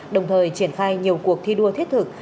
đồng thời triển khai nhiều cuộc thi đua thiết thực